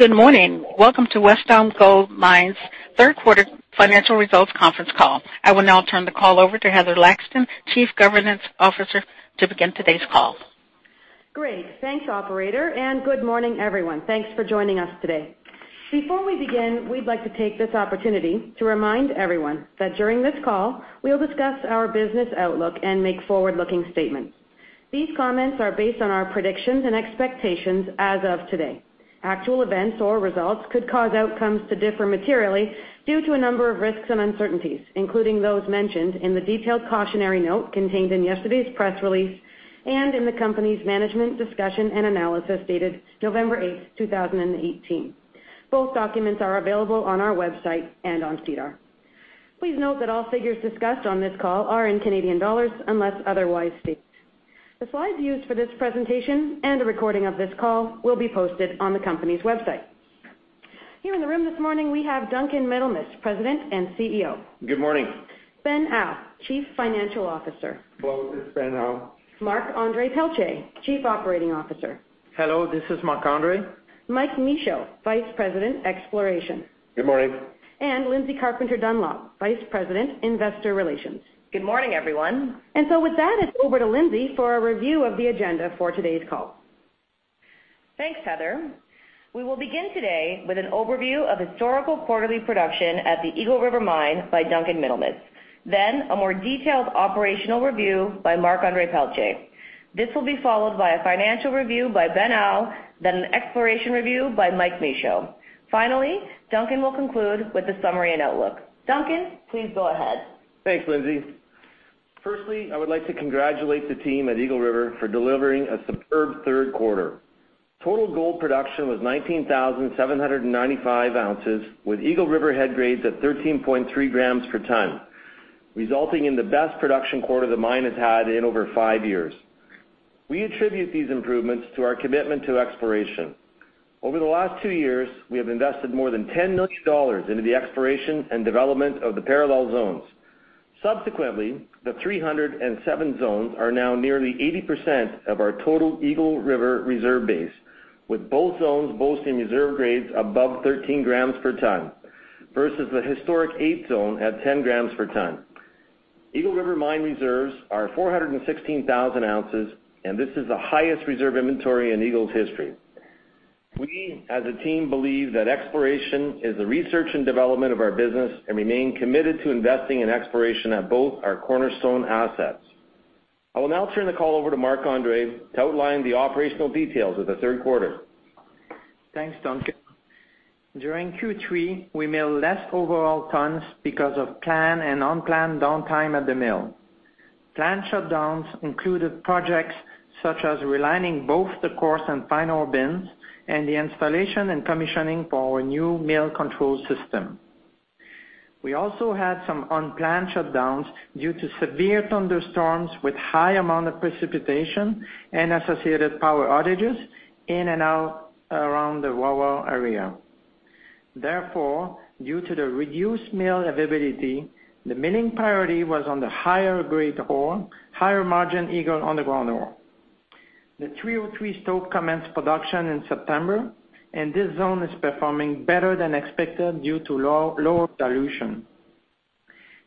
Good morning. Welcome to Wesdome Gold Mines Third Quarter Financial Results Conference Call. I will now turn the call over to Heather Laxton, Chief Governance Officer, to begin today's call. Great. Thanks, Operator, and good morning, everyone. Thanks for joining us today. Before we begin, we'd like to take this opportunity to remind everyone that during this call, we'll discuss our business outlook and make forward-looking statements. These comments are based on our predictions and expectations as of today. Actual events or results could cause outcomes to differ materially due to a number of risks and uncertainties, including those mentioned in the detailed cautionary note contained in yesterday's press release, and in the company's management discussion and analysis dated November 8th, 2018. Both documents are available on our website and on SEDAR. Please note that all figures discussed on this call are in Canadian dollars unless otherwise stated. The slides used for this presentation and a recording of this call will be posted on the company's website. Here in the room this morning, we have Duncan Middlemiss, President and CEO. Good morning. Ben Au, Chief Financial Officer. Hello, this is Ben Au. Marc-Andre Pelletier, Chief Operating Officer. Hello, this is Marc-Andre. Mike Michaud, Vice President, Exploration. Good morning. Lindsay Carpenter-Dunlop, Vice President, Investor Relations. Good morning, everyone. With that, it's over to Lindsay for a review of the agenda for today's call. Thanks, Heather. We will begin today with an overview of historical quarterly production at the Eagle River mine by Duncan Middlemiss, then a more detailed operational review by Marc-Andre Pelletier. This will be followed by a financial review by Ben Au, then an exploration review by Mike Michaud. Finally, Duncan will conclude with a summary and outlook. Duncan, please go ahead. Thanks, Lindsay. Firstly, I would like to congratulate the team at Eagle River for delivering a superb third quarter. Total gold production was 19,795 ounces, with Eagle River head grades at 13.3 grams per tonne, resulting in the best production quarter the mine has had in over five years. We attribute these improvements to our commitment to exploration. Over the last two years, we have invested more than 10 million dollars into the exploration and development of the parallel zones. Subsequently, the 307 zones are now nearly 80% of our total Eagle River reserve base, with both zones boasting reserve grades above 13 grams per tonne, versus the historic 8 Zone at 10 grams per tonne. Eagle River mine reserves are 416,000 ounces, and this is the highest reserve inventory in Eagle's history. We, as a team, believe that exploration is the research and development of our business, and remain committed to investing in exploration at both our cornerstone assets. I will now turn the call over to Marc-Andre to outline the operational details of the third quarter. Thanks, Duncan. During Q3, we milled less overall tons because of planned and unplanned downtime at the mill. Planned shutdowns included projects such as relining both the coarse and fine ore bins and the installation and commissioning for our new mill control system. We also had some unplanned shutdowns due to severe thunderstorms with high amount of precipitation and associated power outages in and out around the Wawa area. Due to the reduced mill availability, the milling priority was on the higher-grade ore, higher margin Eagle underground ore. The 303 stope commenced production in September, and this zone is performing better than expected due to lower dilution.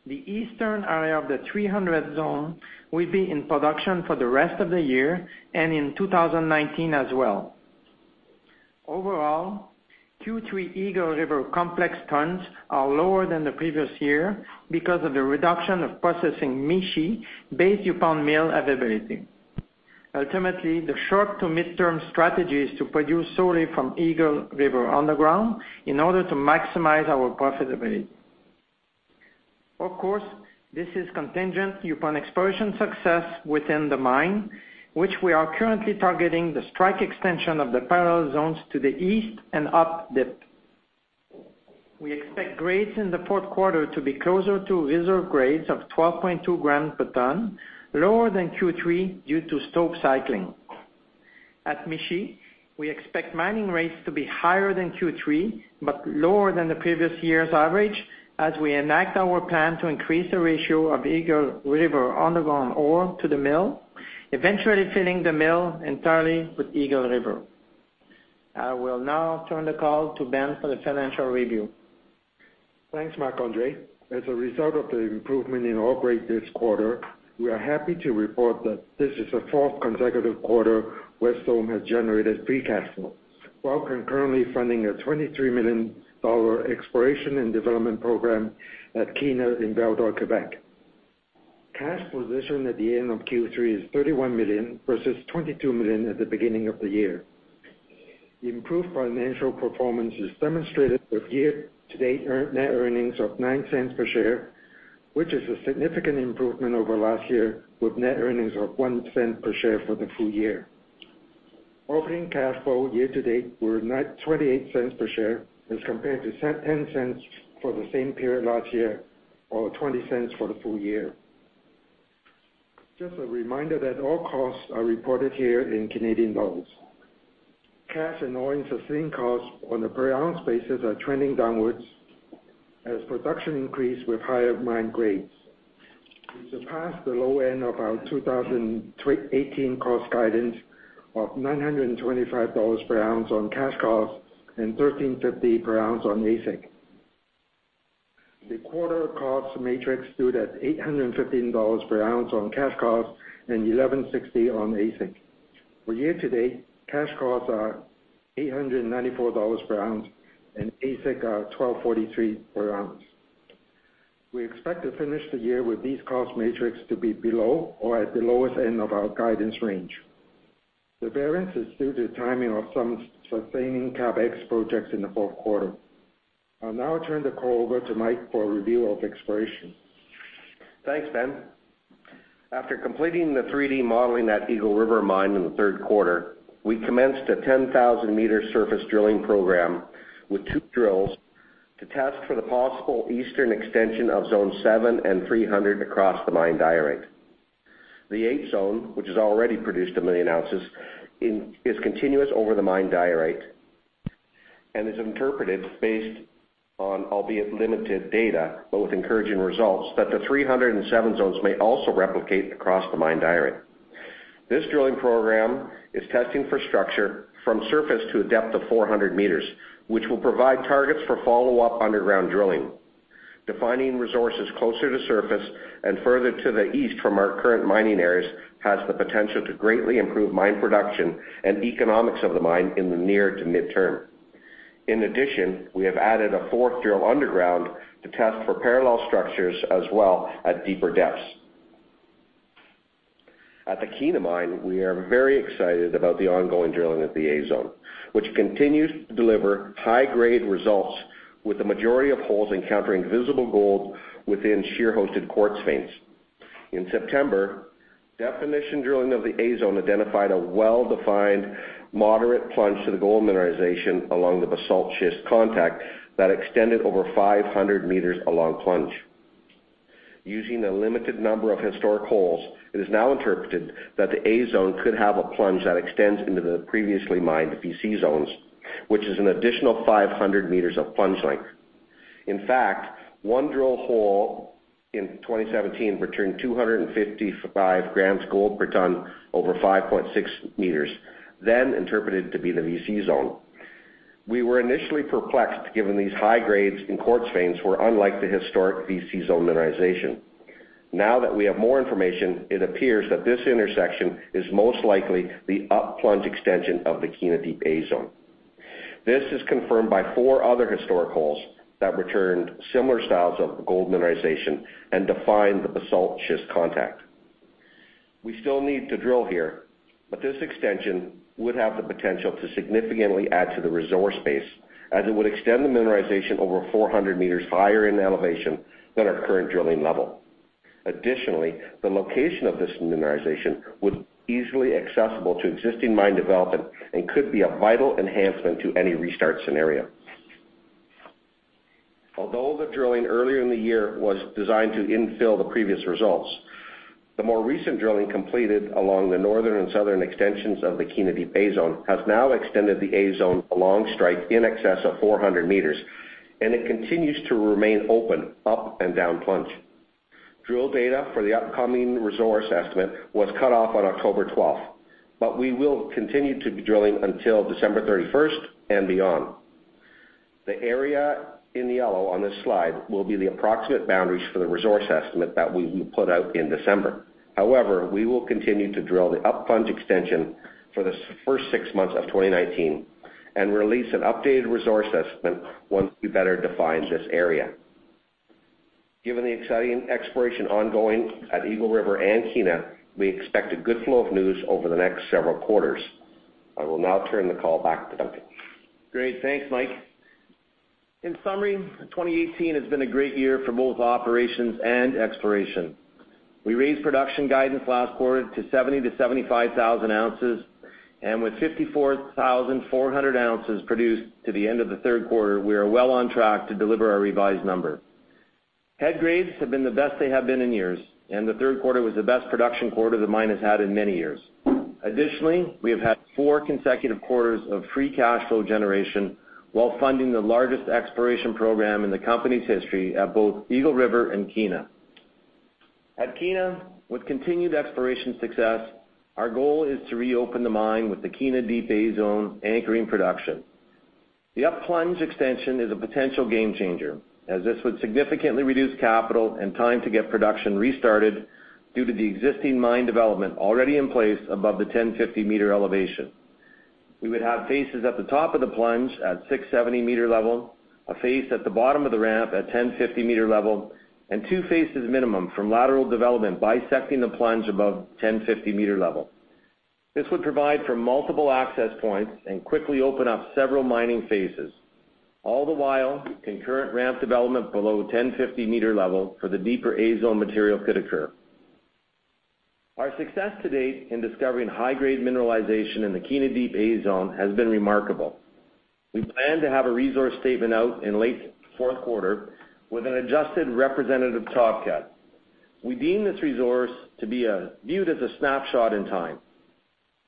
The eastern area of the 300 zone will be in production for the rest of the year and in 2019 as well. Overall, Q3 Eagle River complex tons are lower than the previous year because of the reduction of processing Mishi based upon mill availability. Ultimately, the short to midterm strategy is to produce solely from Eagle River underground in order to maximize our profitability. Of course, this is contingent upon exploration success within the mine, which we are currently targeting the strike extension of the parallel zones to the east and up dip. We expect grades in the fourth quarter to be closer to reserve grades of 12.2 grams per tonne, lower than Q3 due to stope cycling. At Mishi, we expect mining rates to be higher than Q3, but lower than the previous year's average, as we enact our plan to increase the ratio of Eagle River underground ore to the mill, eventually filling the mill entirely with Eagle River. I will now turn the call to Ben for the financial review. Thanks, Marc-Andre. As a result of the improvement in our operations quarter, we are happy to report that this is the fourth consecutive quarter Wesdome has generated free cash flow, while concurrently funding a 23 million dollar exploration and development program at Kiena in Val-d'Or, Quebec. Cash position at the end of Q3 is 31 million versus 22 million at the beginning of the year. The improved financial performance is demonstrated with year-to-date net earnings of 0.09 per share, which is a significant improvement over last year with net earnings of 0.01 per share for the full year. Operating cash flow year-to-date were 0.28 per share as compared to 0.10 for the same period last year or 0.20 for the full year. Just a reminder that all costs are reported here in Canadian dollars. Cash and all-in sustaining costs on a per-ounce basis are trending downwards as production increased with higher mine grades. We surpassed the low end of our 2018 cost guidance of 925 dollars per ounce on cash costs and 1,350 per ounce on AISC. The quarter cost matrix stood at 815 dollars per ounce on cash costs and 1,160 on AISC. For year-to-date, cash costs are 894 dollars per ounce, and AISC are 1,243 per ounce. We expect to finish the year with these cost matrix to be below or at the lowest end of our guidance range. The variance is due to timing of some sustaining CapEx projects in the fourth quarter. I'll now turn the call over to Mike for a review of exploration. Thanks, Ben. After completing the 3D modeling at Eagle River Mine in the third quarter, we commenced a 10,000-meter surface drilling program with two drills to test for the possible eastern extension of Zone 7 and 300 across the mine diorite. The A Zone, which has already produced a million ounces, is continuous over the mine diorite and is interpreted based on albeit limited data, but with encouraging results that the 307 Zones may also replicate across the mine diorite. This drilling program is testing for structure from surface to a depth of 400 meters, which will provide targets for follow-up underground drilling. Defining resources closer to surface and further to the east from our current mining areas has the potential to greatly improve mine production and economics of the mine in the near to mid-term. In addition, we have added a fourth drill underground to test for parallel structures as well at deeper depths. At the Kiena Mine, we are very excited about the ongoing drilling at the A Zone, which continues to deliver high-grade results with the majority of holes encountering visible gold within shear-hosted quartz veins. In September, definition drilling of the A Zone identified a well-defined moderate plunge to the gold mineralization along the basalt-schist contact that extended over 500 meters along plunge. Using a limited number of historic holes, it is now interpreted that the A Zone could have a plunge that extends into the previously mined VC Zones, which is an additional 500 meters of plunge length. In fact, one drill hole in 2017 returned 255 grams gold per tonne over 5.6 meters, then interpreted to be the VC Zone. We were initially perplexed, given these high grades in quartz veins were unlike the historic VC Zone mineralization. Now that we have more information, it appears that this intersection is most likely the up-plunge extension of the Kiena Deep A Zone. This is confirmed by four other historic holes that returned similar styles of gold mineralization and defined the basalt-schist contact. We still need to drill here, but this extension would have the potential to significantly add to the resource base, as it would extend the mineralization over 400 meters higher in elevation than our current drilling level. Additionally, the location of this mineralization would easily accessible to existing mine development and could be a vital enhancement to any restart scenario. Although the drilling earlier in the year was designed to infill the previous results, the more recent drilling completed along the northern and southern extensions of the Kiena Deep A Zone has now extended the A Zone along strike in excess of 400 meters, and it continues to remain open, up and down plunge. Drill data for the upcoming resource estimate was cut off on October 12th, but we will continue to be drilling until December 31st and beyond. The area in yellow on this slide will be the approximate boundaries for the resource estimate that we will put out in December. However, we will continue to drill the up-plunge extension for the first six months of 2019 and release an updated resource estimate once we better define this area. Given the exciting exploration ongoing at Eagle River and Kiena, we expect a good flow of news over the next several quarters. I will now turn the call back to Duncan. Great. Thanks, Mike. In summary, 2018 has been a great year for both operations and exploration. We raised production guidance last quarter to 70,000-75,000 ounces, and with 54,400 ounces produced to the end of the third quarter, we are well on track to deliver our revised number. Head grades have been the best they have been in years, and the third quarter was the best production quarter the mine has had in many years. Additionally, we have had four consecutive quarters of free cash flow generation while funding the largest exploration program in the company's history at both Eagle River and Kiena. At Kiena, with continued exploration success, our goal is to reopen the mine with the Kiena Deep A Zone anchoring production. The up-plunge extension is a potential game changer, as this would significantly reduce capital and time to get production restarted due to the existing mine development already in place above the 1,050-meter elevation. We would have faces at the top of the plunge at 670-meter level, a face at the bottom of the ramp at 1,050-meter level, and two faces minimum from lateral development bisecting the plunge above 1,050-meter level. This would provide for multiple access points and quickly open up several mining phases. All the while, concurrent ramp development below 1,050-meter level for the deeper A Zone material could occur. Our success to date in discovering high-grade mineralization in the Kiena Deep A Zone has been remarkable. We plan to have a resource statement out in late fourth quarter with an adjusted representative top cut. We deem this resource to be viewed as a snapshot in time.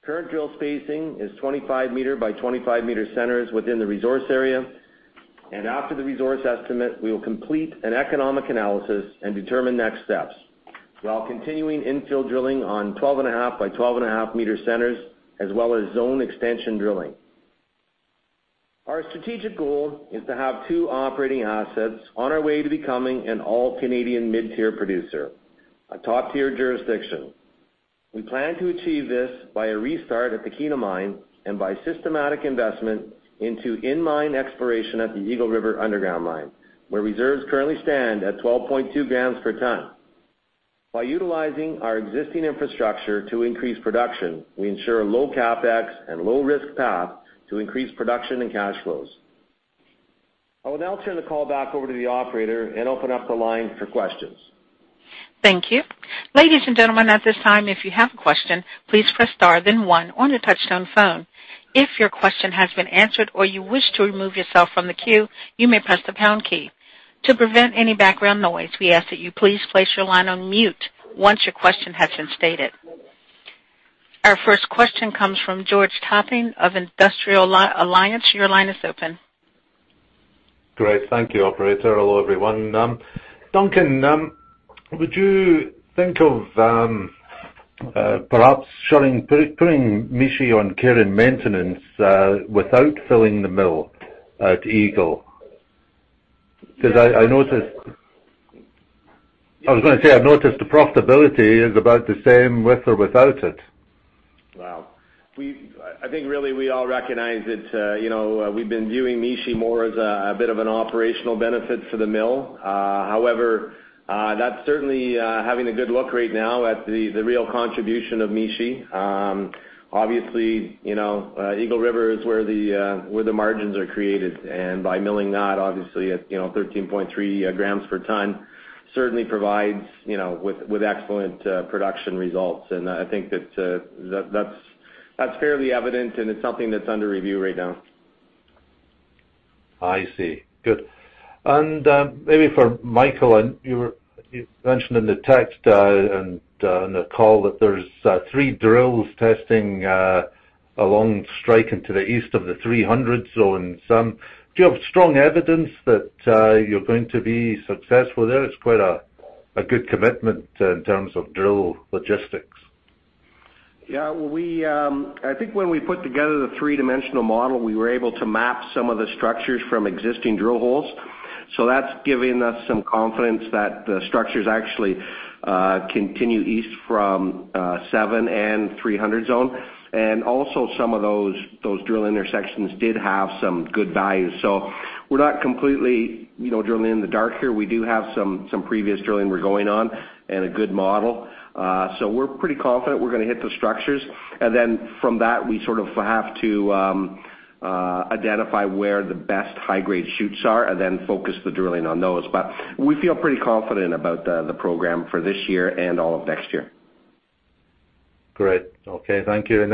Current drill spacing is 25-meter by 25-meter centers within the resource area. After the resource estimate, we will complete an economic analysis and determine next steps while continuing infill drilling on 12.5 by 12.5 meter centers, as well as zone extension drilling. Our strategic goal is to have two operating assets on our way to becoming an all Canadian mid-tier producer, a top-tier jurisdiction. We plan to achieve this by a restart at the Kiena Mine and by systematic investment into in-mine exploration at the Eagle River Underground Mine, where reserves currently stand at 12.2 grams per tonne. By utilizing our existing infrastructure to increase production, we ensure low CapEx and low risk path to increase production and cash flows. I will now turn the call back over to the Operator and open up the line for questions. Thank you. Ladies and gentlemen, at this time, if you have a question, please press star then one on your touchtone phone. If your question has been answered or you wish to remove yourself from the queue, you may press the pound key. To prevent any background noise, we ask that you please place your line on mute once your question has been stated. Our first question comes from George Topping of Industrial Alliance. Your line is open. Great. Thank you, Operator. Hello, everyone. Duncan, would you think of perhaps putting Mishi on care and maintenance, without filling the mill at Eagle? I noticed the profitability is about the same with or without it. Wow. I think really we all recognize it. We've been viewing Mishi more as a bit of an operational benefit for the mill. That's certainly having a good look right now at the real contribution of Mishi. Eagle River is where the margins are created, and by milling that, at 13.3 grams per tonne, certainly provides with excellent production results. I think that's fairly evident, and it's something that's under review right now. I see. Good. Maybe for Michael, you mentioned in the text and on the call that there's three drills testing along strike into the east of the 300 zone. Do you have strong evidence that you're going to be successful there? It's quite a good commitment in terms of drill logistics. Yeah. I think when we put together the three-dimensional model, we were able to map some of the structures from existing drill holes. That's given us some confidence that the structures actually continue east from seven and 300 zone. Also some of those drill intersections did have some good values. We're not completely drilling in the dark here. We do have some previous drilling we're going on and a good model. We're pretty confident we're going to hit the structures. From that, we sort of have to identify where the best high-grade shoots are and then focus the drilling on those. We feel pretty confident about the program for this year and all of next year. Great. Okay. Thank you.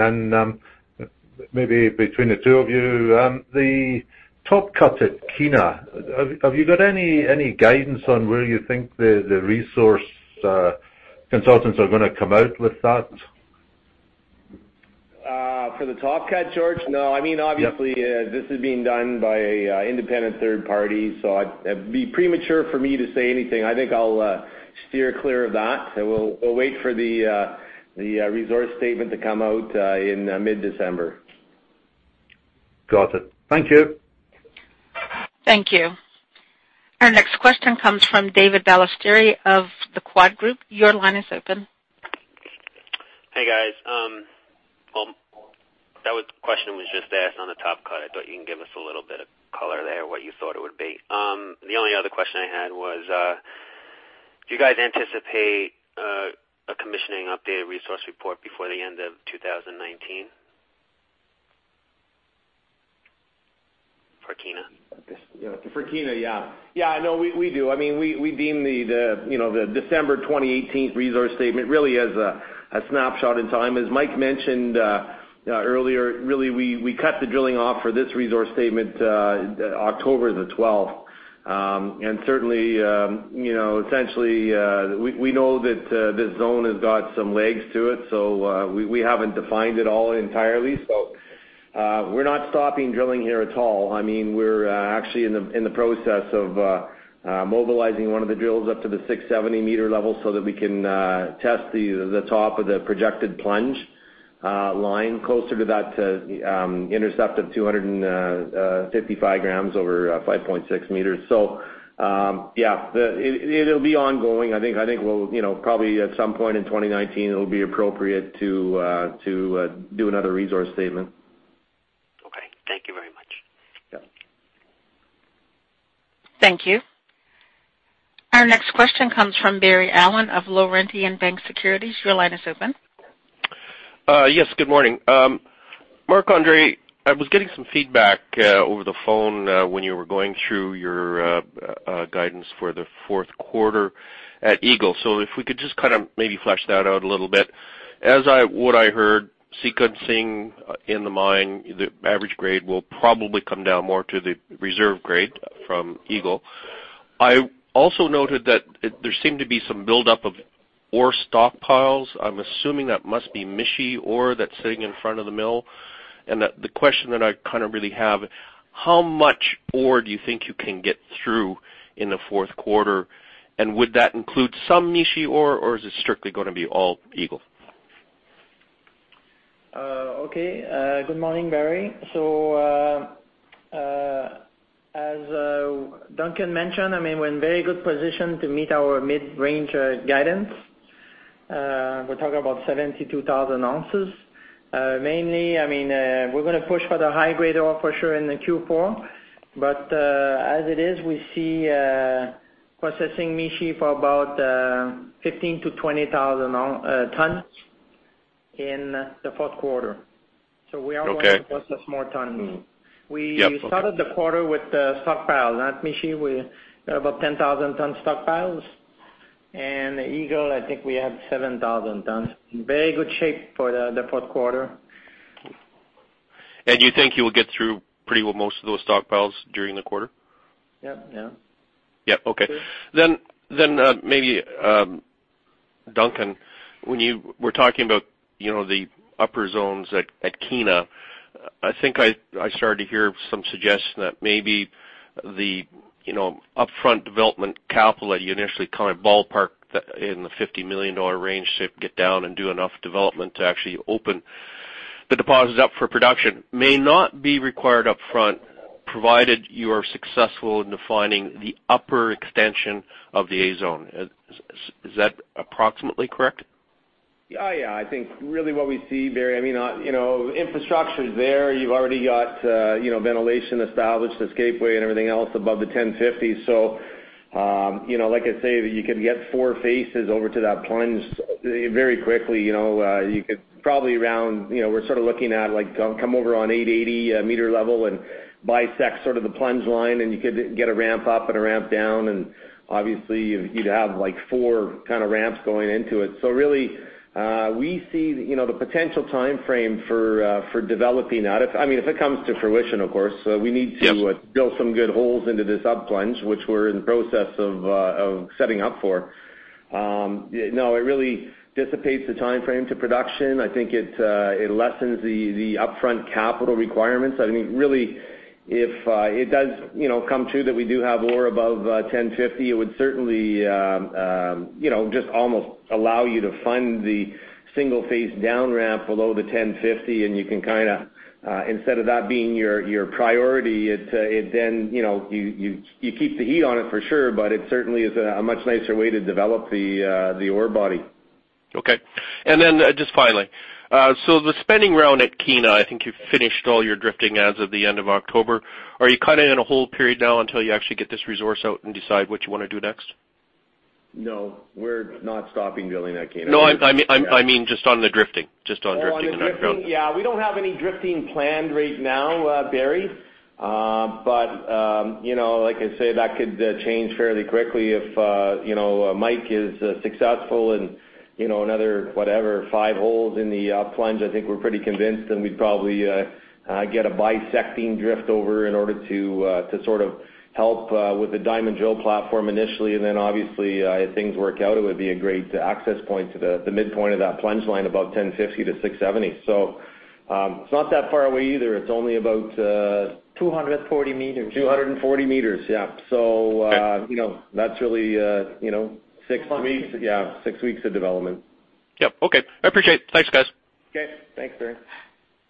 Maybe between the two of you, the top cut at Kiena, have you got any guidance on where you think the resource consultants are going to come out with that? For the top cut, George? No. Obviously, this is being done by independent third party, so it'd be premature for me to say anything. I think I'll steer clear of that, and we'll wait for the resource statement to come out in mid-December. Got it. Thank you. Thank you. Our next question comes from David Balestieri of The Quad Group. Your line is open. Hey, guys. That question was just asked on the top cut. I thought you can give us a little bit of color there, what you thought it would be. The only other question I had was, do you guys anticipate a commissioning updated resource report before the end of 2019? For Kiena. For Kiena, yeah. No, we do. We deem the December 2018 resource statement really as a snapshot in time. As Mike mentioned earlier, really, we cut the drilling off for this resource statement, October the 12th. Certainly, essentially, we know that this zone has got some legs to it, so we haven't defined it all entirely. We're not stopping drilling here at all. We're actually in the process of mobilizing one of the drills up to the 670-meter level so that we can test the top of the projected plunge line closer to that intercept of 255 grams over 5.6 meters. Yeah, it'll be ongoing. I think probably at some point in 2019, it'll be appropriate to do another resource statement. Okay. Thank you very much. Yeah. Thank you. Our next question comes from Barry Allan of Laurentian Bank Securities. Your line is open. Yes, good morning. Marc-Andre, I was getting some feedback over the phone when you were going through your guidance for the fourth quarter at Eagle. If we could just maybe flesh that out a little bit. As what I heard, sequencing in the mine, the average grade will probably come down more to the reserve grade from Eagle. I also noted that there seemed to be some buildup of ore stockpiles. I'm assuming that must be Mishi ore that's sitting in front of the mill, and that the question that I really have, how much ore do you think you can get through in the fourth quarter, and would that include some Mishi ore, or is it strictly going to be all Eagle? Okay. Good morning, Barry. As Duncan mentioned, we're in very good position to meet our mid-range guidance. We're talking about 72,000 ounces. Mainly, we're going to push for the high-grade ore for sure in the Q4. As it is, we see processing Mishi for about 15,000-20,000 tonnes in the fourth quarter. Okay. We are going to process more tons. Yep. Okay. We started the quarter with the stockpile at Mishi. We have about 10,000 tonne stockpiles. Eagle, I think we have 7,000 tons. Very good shape for the fourth quarter. You think you will get through pretty most of those stockpiles during the quarter? Yeah. Yeah. Okay. Maybe, Duncan, when you were talking about the upper zones at Kiena, I think I started to hear some suggestion that maybe the upfront development capital that you initially kind of ballparked in the 50 million dollar range to get down and do enough development to actually open the deposits up for production, may not be required upfront provided you are successful in defining the upper extension of the A Zone. Is that approximately correct? Yeah. I think really what we see, Barry, infrastructure's there. You've already got ventilation established, the escapeway and everything else above the 1,050. Like I say, you can get four faces over to that plunge very quickly. We're sort of looking at come over on 880-meter level and bisect sort of the plunge line, and you could get a ramp up and a ramp down, and obviously you'd have four kind of ramps going into it. Really, we see the potential timeframe for developing out, if it comes to fruition, of course. We need to. Yes. It really dissipates the timeframe to production. I think it lessens the upfront capital requirements. Really, if it does come true that we do have ore above 1,050, it would certainly just almost allow you to fund the single-phase down ramp below the 1,050, and you can kind of, instead of that being your priority, you keep the heat on it for sure, but it certainly is a much nicer way to develop the ore body. Okay. Just finally, the spending round at Kiena, I think you've finished all your drifting as of the end of October. Are you kind of in a hold period now until you actually get this resource out and decide what you want to do next? No. We're not stopping drilling at Kiena. No, I mean, just on the drifting. Just on drifting underground. On the drifting. We don't have any drifting planned right now, Barry. Like I say, that could change fairly quickly if Mike is successful in another five holes in the plunge, I think we're pretty convinced then we'd probably get a bisecting drift over in order to sort of help with the diamond drill platform initially. Obviously, if things work out, it would be a great access point to the midpoint of that plunge line above 1050 to 670. It's not that far away either. It's only about- 240 meters. 240 meters, yeah. That's really... Six weeks Yeah, six weeks of development. Yep. Okay. I appreciate it. Thanks, guys. Okay. Thanks, Barry.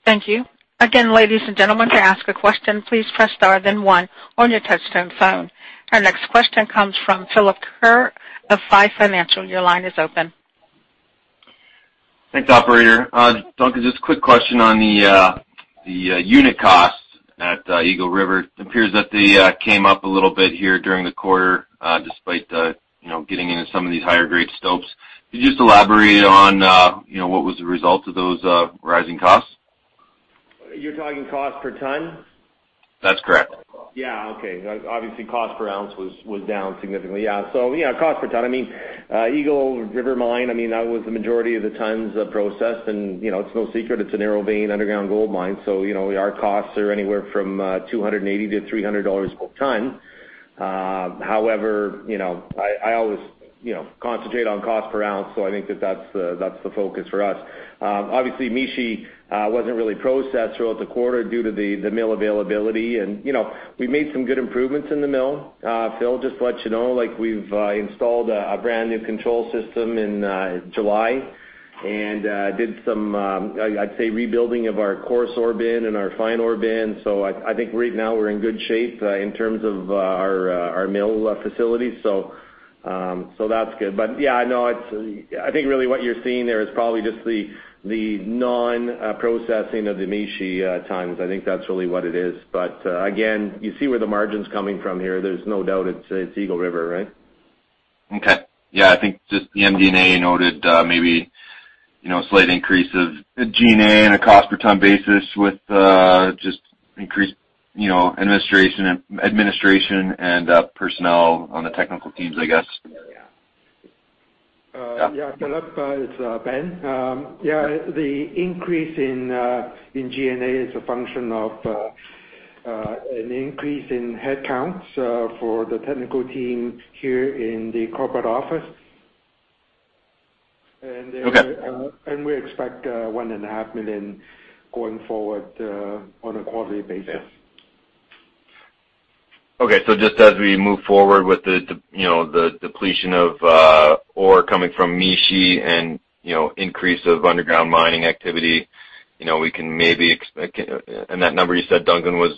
Thank you. Again, ladies and gentlemen, to ask a question, please press star then one on your touchtone phone. Our next question comes from Phillip Kerr of PI Financial. Your line is open. Thanks, Operator. Duncan, just a quick question on the unit costs at Eagle River. It appears that they came up a little bit here during the quarter, despite getting into some of these higher grade stopes. Could you just elaborate on what was the result of those rising costs? You're talking cost per ton? That's correct. Yeah. Okay. Obviously, cost per ounce was down significantly. Yeah. Cost per ton. Eagle River Mine, that was the majority of the tons processed and it's no secret it's a narrow vein underground gold mine. Our costs are anywhere from 280-300 dollars a ton. However, I always concentrate on cost per ounce, so I think that that's the focus for us. Obviously, Mishi wasn't really processed throughout the quarter due to the mill availability and we made some good improvements in the mill, Phil, just to let you know. We've installed a brand new control system in July and did some, I'd say rebuilding of our coarse ore bin and our fine ore bin. I think right now we're in good shape in terms of our mill facilities. That's good. Yeah, I think really what you're seeing there is probably just the non-processing of the Mishi tons. I think that's really what it is. Again, you see where the margin's coming from here. There's no doubt it's Eagle River, right? Okay. Yeah, I think just the MD&A noted maybe slight increase of G&A on a cost per tonne basis with just increased administration and personnel on the technical teams, I guess. Yeah. Yeah, Phillip, it's Ben. The increase in G&A is a function of an increase in headcounts for the technical team here in the corporate office. Okay. We expect 1.5 million going forward on a quarterly basis. Just as we move forward with the depletion of ore coming from Mishi and increase of underground mining activity, we can maybe expect that number you said, Duncan, was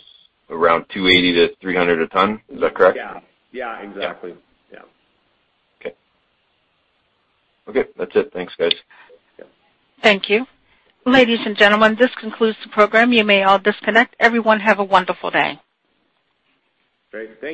around 280-300 a ton. Is that correct? Yeah. Exactly. Yeah. Okay. Okay. That's it. Thanks, guys. Yeah. Thank you. Ladies and gentlemen, this concludes the program. You may all disconnect. Everyone have a wonderful day. Great.